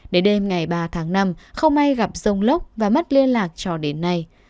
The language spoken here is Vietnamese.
đến đêm ngày ba tháng năm không ai gặp dông lốc và mất liên lạc cho đến nay